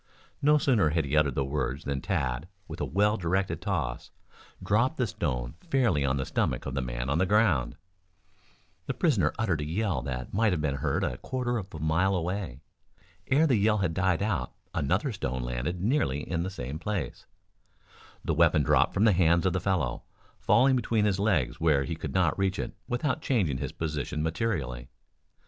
No sooner had he uttered the words than Tad, with a well directed toss, dropped the stone fairly on the stomach of the man on the ground. The prisoner uttered a yell that might have been heard a quarter of a mile away. Ere the yell had died out another stone landed nearly in the same place. The weapon dropped from the hands of the fellow, falling between his legs where he could not reach it without changing his position materially.